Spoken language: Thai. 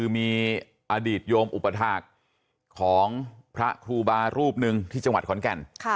มีอดีตโยมอุปถาคของพระครูบารูปหนึ่งที่จังหวัดขอนแก่น